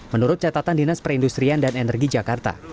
menurut catatan dinas perindustrian dan energi jakarta